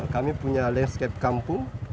kami punya landscape kampung